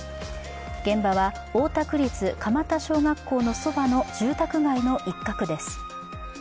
現場は大田区立蒲田小学校のそばの住宅街の一角です。